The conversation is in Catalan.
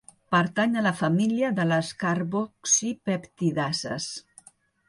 Pertany a la família de les carboxipeptidases.